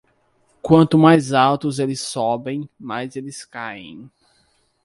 Quanto mais alto eles sobem, mais eles caem.